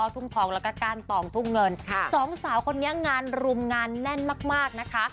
ทุ่งทองแล้วก็ก้านตองทุ่งเงินสองสาวคนนี้งานรุมงานแน่นมากมากนะคะ